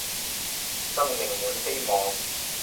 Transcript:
生命滿希望